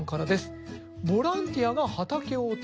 ボランティアが畑を手伝える。